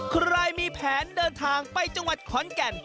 ใครมีแผนเดินทางไปจังหวัดขอนแก่น